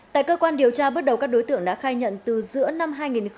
tại cơ quan điều tra bước đầu các đối tượng đã khai nhận từ giữa năm hai nghìn một mươi ba